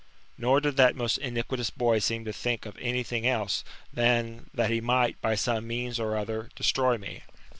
Nor did that most iniquitous boy seem to think of any thing else, than that he might, by some means or other, destroy me.